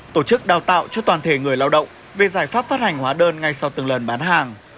tổ chức đào tạo cho toàn thể người lao động về giải pháp phát hành hóa đơn ngay sau từng lần bán hàng